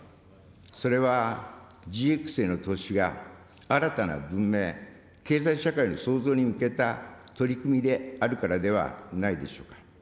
それはＧＸへの投資が新たな文明、経済社会の創造に向けた取り組みであるからではないでしょうか。